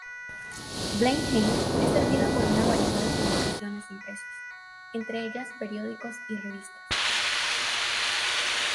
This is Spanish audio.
Blenheim es servida por una variedad de publicaciones impresas, entre ellas periódicos y revistas.